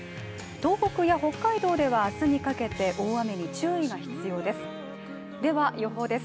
東北や北海道ではあすにかけて大雨に注意が必要です。